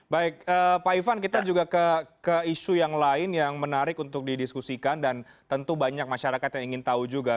baik pak ivan kita juga ke isu yang lain yang menarik untuk didiskusikan dan tentu banyak masyarakat yang ingin tahu juga